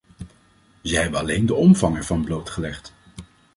Zij hebben alleen de omvang ervan blootgelegd.